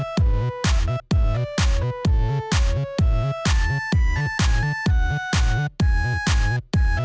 ป่อทับเร็วนั่งกรำ